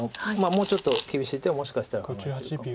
もうちょっと厳しい手をもしかしたら考えてるかも。